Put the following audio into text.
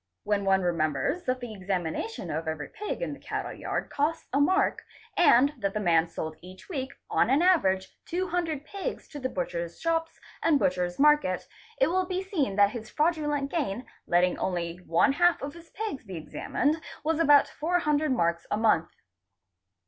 When one remembers that the examination of every pig in the cattle yard ' costs a mark, and that the man sold each week on an average 200 pigs ' to the butchers' shops and the butchers' market—it will be seen that his fraudulent gain, letting only one half of his pigs be examined, was about 400 marks a month.